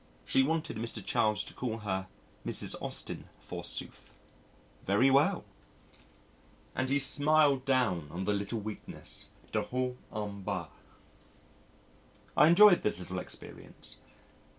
She wanted Mr. Charles to call her Mrs. Austin, forsooth. Very well! and he smiled down on the little weakness de haute en bas. I enjoyed this little experience.